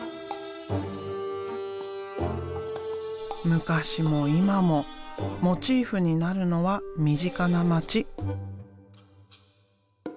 昔も今もモチーフになるのは身近な街。